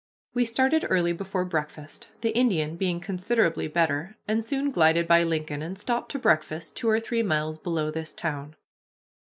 We started early before breakfast, the Indian being considerably better, and soon glided by Lincoln, and stopped to breakfast two or three miles below this town.